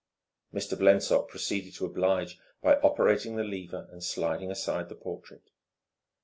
Mr. Blensop proceeded to oblige by operating the lever and sliding aside the portrait.